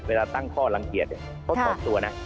ตั้งข้อลังเกียจเขาถอนตัวนะ